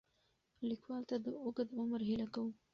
لیکوال ته د اوږد عمر هیله کوو.